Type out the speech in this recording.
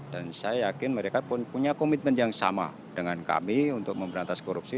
dan saya yakin mereka punya komitmen yang sama dengan kami untuk memberantas korupsi